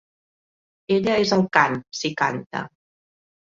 Ella és el cant, si canta.